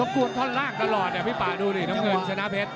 ก้วนท่อนร่างตลอดพี่ปาดูหน่อยเบียดน้ำมือสละพรก